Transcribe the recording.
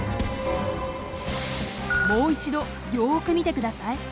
もう一度よく見て下さい。